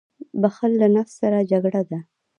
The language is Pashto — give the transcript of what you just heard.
• بښل له نفس سره جګړه ده.